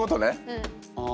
うん。